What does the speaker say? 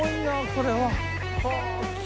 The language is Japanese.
これは。